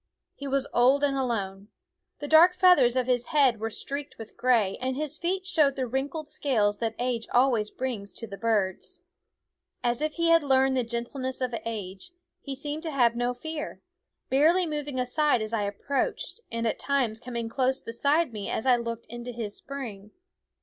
He was old and alone ; the dark feathers of his head were streaked with gray, and his feet showed the wrinkled scales that age always brings to the birds. As if he had learned the gentleness of age, he seemed to have no fear, barely moving aside as I approached, and at times coming close beside me as I looked into his spring.